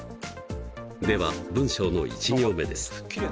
では文章の１行目です。